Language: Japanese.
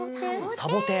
サボテン。